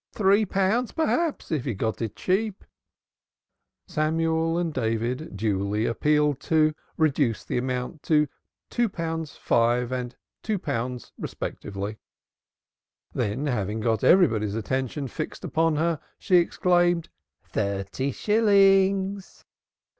"Three pounds, perhaps, if you got it cheap." Samuel and David duly appealed to, reduced the amount to two pounds five and two pounds respectively. Then, having got everybody's attention fixed upon her, she exclaimed: "Thirty shillings!"